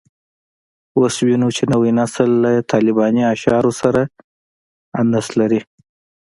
اوس وینو چې نوی نسل له طالباني شعارونو سره انس لري